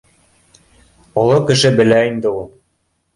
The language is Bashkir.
— Оло кеше белә инде ул